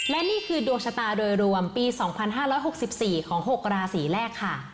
และนี่คือดวงชะตาโดยรวมปี๒๕๖๔ของ๖ราศีแรกค่ะ